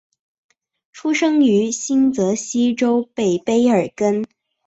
出生于新泽西州北卑尔根。